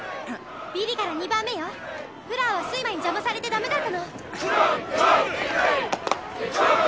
ビリから２番目よフラーは水魔に邪魔されてダメだったのクラムクラム！